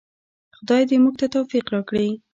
خدای دې موږ ته توفیق راکړي